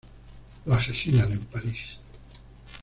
Lo asesinan en París.